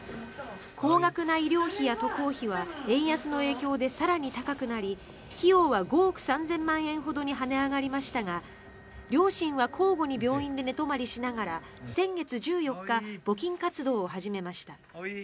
高額な医療費や渡航費は円安の影響で更に高くなり費用は５億３０００万円ほどに跳ね上がりましたが両親は交互に病院で寝泊まりしながら先月１４日募金活動を始めました。